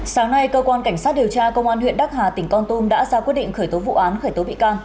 sáng nay cơ quan cảnh sát điều tra công an huyện đắc hà tỉnh con tum đã ra quyết định khởi tố vụ án khởi tố bị can